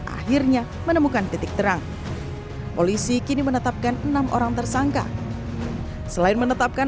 akhirnya menemukan titik terang polisi kini menetapkan enam orang tersangka selain menetapkan